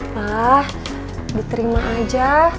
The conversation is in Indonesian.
pa diterima aja